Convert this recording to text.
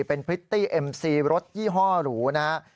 เป็นพริตตี้เอ็มซีรถยี่ห้อหรูนะครับ